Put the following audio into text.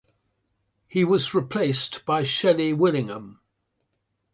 He was replaced by Shelly Willingham.